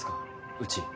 うち。